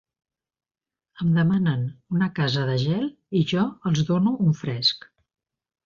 Em demanen una casa de gel i jo els dono un fresc.